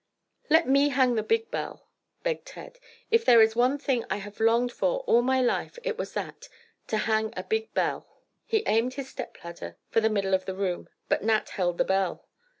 "Let me hang the big bell," begged Ted, "if there is one thing I have longed for all my life it was that—to hang a big 'belle'." He aimed his stepladder for the middle of the room, but Nat held the bell.